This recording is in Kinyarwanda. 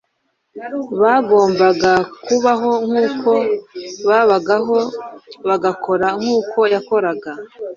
Bagombaga kubaho nk'uko yabagaho, bagakora nk'uko yakoraga,